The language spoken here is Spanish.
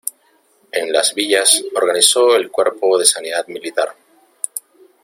En Las Villas organizó el cuerpo de sanidad militar.